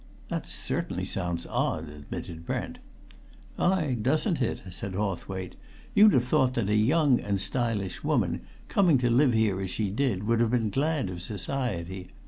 "That certainly sounds odd," admitted Brent. "Ay, doesn't it?" said Hawthwaite. "You'd have thought that a young and stylish woman, coming to live here as she did, would have been glad of society.